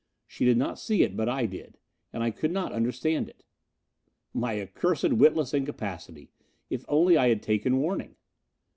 She did not see it, but I did. And I could not understand it. My accursed, witless incapacity! If only I had taken warning!